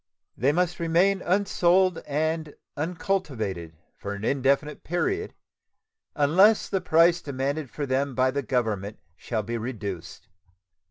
They must remain unsold and uncultivated for an indefinite period unless the price demanded for them by the Government shall be reduced.